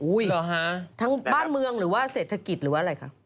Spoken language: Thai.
อุ้ยหรอฮะทั้งบ้านเมืองหรือว่าเศรษฐกิจหรือไหลค่ะ